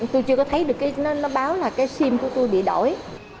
tôi chưa có thấy được cái nó báo là cái sim của tôi bị đổi